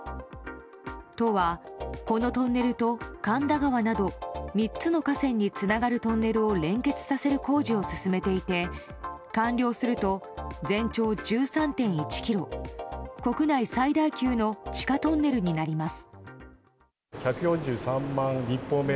都はこのトンネルと神田川など３つの河川につながるトンネルを連結させる工事を進めていて完了すると全長１３．１ｋｍ国内最大級の地下トンネルになります。